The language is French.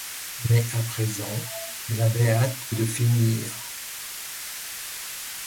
Mais, à présent, elle avait hâte de finir.